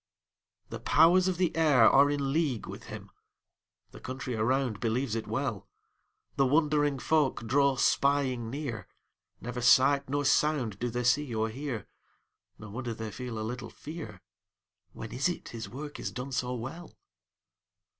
The powers of the air are in league with him; The country around believes it well; The wondering folk draw spying near; Never sight nor sound do they see or hear; No wonder they feel a little fear; When is it his work is done so well?